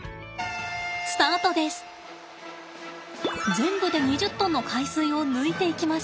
全部で２０トンの海水を抜いていきます。